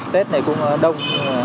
tết này cũng đông